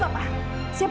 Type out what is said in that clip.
apaan sih om